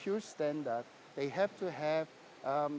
harga standar mereka harus memiliki